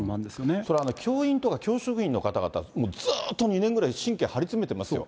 それは教員とか教職員の方々、ずっと２年ぐらい神経張り詰めてますよ。